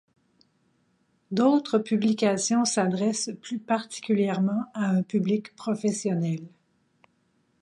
D'autres publications s'adressent plus particulièrement à un public professionnel.